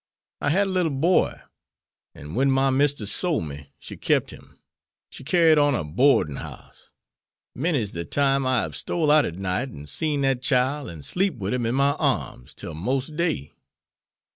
I had a little boy, an' wen my mistus sole me she kep' him. She carried on a boardin' house. Many's the time I hab stole out at night an' seen dat chile an' sleep'd wid him in my arms tell mos' day.